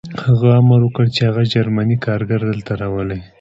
هغه امر وکړ چې هغه جرمنی کارګر دلته راولئ